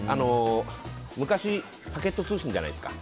昔、パケット通信じゃないですか。